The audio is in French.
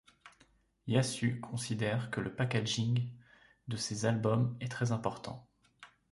Yasu considère que le packaging de ses albums est très important.